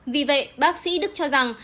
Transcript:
vì vậy bác sĩ đức cho rằng